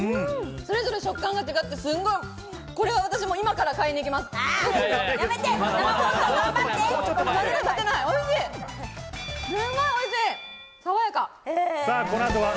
それぞれ食感が違ってすごく、これは私も今から買いに行きます。